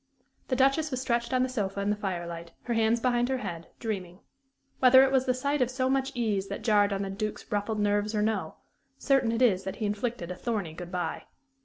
The Duchess was stretched on the sofa in the firelight, her hands behind her head, dreaming. Whether it was the sight of so much ease that jarred on the Duke's ruffled nerves or no, certain it is that he inflicted a thorny good bye.